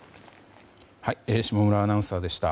下村アナウンサーでした。